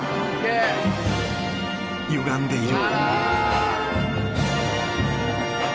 ゆがんでいる。